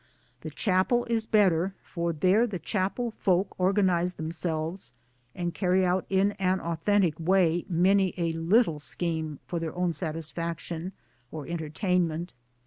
The Chapel is better, for there the Chapel folk organize themselves and carry out in an authentic way many a little scheme for their own satisfaction or entertainment.